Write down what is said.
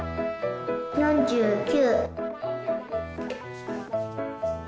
４９。